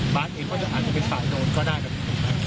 บ๊าสเองก็อาจจะทำเหตุผลต่างคนก็ได้กัน